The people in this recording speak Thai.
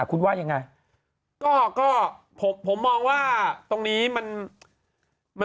คุณว่ายังไง